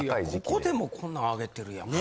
ここでもこんなあげてるやん。